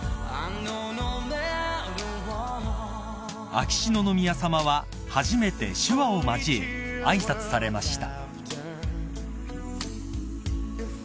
［秋篠宮さまは初めて手話を交え挨拶されました］